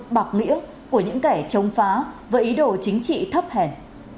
bạc nghĩa của những kẻ chống phá với ý đồ chính trị thấp hèn